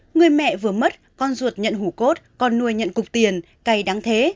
người mẹ vừa mất con ruột nhận hủ cốt con nuôi nhận cục tiền cây đáng thế